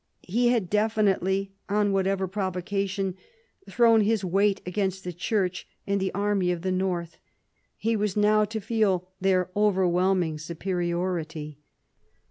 He had definitely, on whatever provocation, thrown his weight against the Church and the army of the north. He was now to feel their overwhelming superiority.